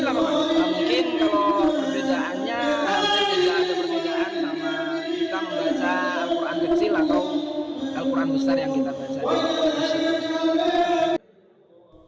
atau al quran besar yang kita baca di al quran masjid